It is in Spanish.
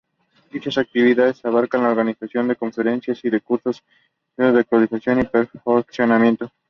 Dichas actividades abarcan la organización de conferencias, y cursos intensivos de actualización y perfeccionamiento.